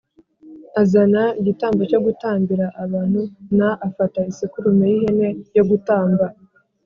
Azana igitambo cyo gutambira abantu n afata isekurume y ihene yo gutamba